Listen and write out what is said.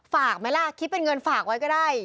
ฝากไหมล่ะคิดเป็นเงินฝากไว้ก็ได้